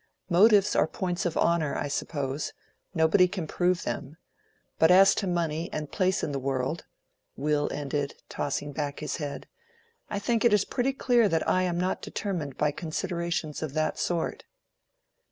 Motives are points of honor, I suppose—nobody can prove them. But as to money and place in the world," Will ended, tossing back his head, "I think it is pretty clear that I am not determined by considerations of that sort."